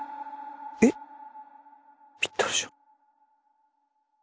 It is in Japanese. ぴったりじゃん。